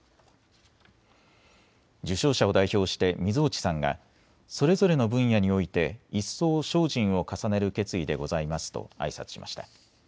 受章者を代表して水落さんがそれぞれの分野において一層精進を重ねる決意でございますとあいさつしました。